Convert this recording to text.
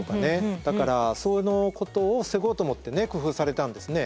だからそのことを防ごうと思って工夫されたんですね。